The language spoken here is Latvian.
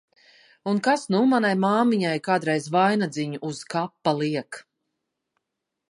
Un kas nu manai māmiņai kādreiz vainadziņu uz kapa liek!